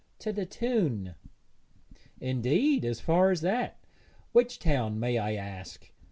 'To th' town.' 'Indeed, as far as that! Which town, may I ask?'